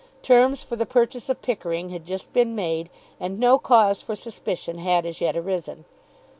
Terms for the purchase of Pickering had just been made, and no cause for suspicion had as yet arisen.